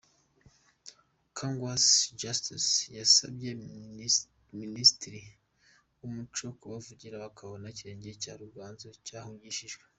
Kangwage Justus yasabye Minisiteri y’Umuco kubavugira bakabona Ikirenge cya Ruganzu cyahungishijwe.